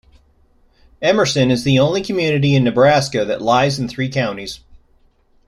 Emerson is the only community in Nebraska that lies in three counties.